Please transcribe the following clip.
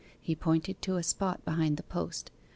He pointed to a spot behind the post.